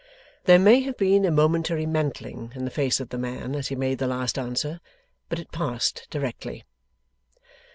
There may have been a momentary mantling in the face of the man as he made the last answer, but it passed directly.